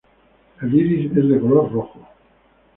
El iris es de color rojo.